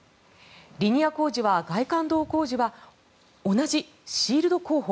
リニア工事と外環道工事は同じシールド工法。